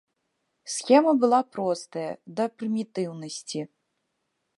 Схема была простая да прымітыўнасці.